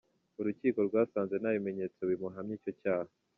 Urukiko rwasanze nta bimenyetso bimuhamya icyo cyaha.